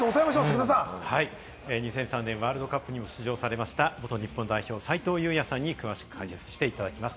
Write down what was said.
２００３年、ワールドカップにも出場されました、元日本代表・斉藤祐也さんに詳しく解説していただきます。